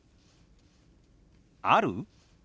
「ある？」。